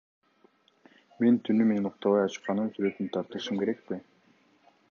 Мен түнү менен уктабай акчанын сүрөтүн тартышым керекпи?